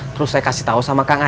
terus saya kasih tahu sama kak yaya